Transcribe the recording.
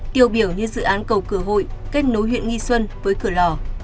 tiêu biểu như dự án cầu cửa hội kết nối huyện nghi xuân với cửa lò